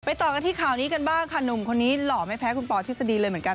ต่อกันที่ข่าวนี้กันบ้างค่ะหนุ่มคนนี้หล่อไม่แพ้คุณปอทฤษฎีเลยเหมือนกัน